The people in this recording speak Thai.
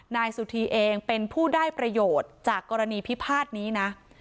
นายสุธีเองเป็นผู้ได้ประโยชน์จากกรณีพิพาทนี้นะ